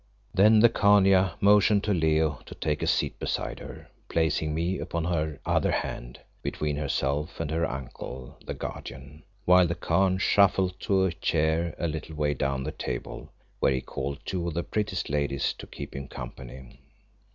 Then the Khania motioned to Leo to take a seat beside her, placing me upon her other hand, between herself and her uncle, the Guardian, while the Khan shuffled to a chair a little way down the table, where he called two of the prettiest ladies to keep him company.